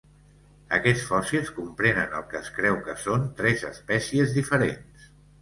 Aquests fòssils comprenen el que es creu que són tres espècies diferents.